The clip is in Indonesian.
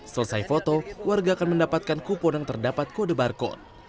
selesai foto warga akan mendapatkan kupon yang terdapat kode barcode